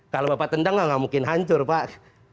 kalau bapak tendang ya enggak mungkin hancur pak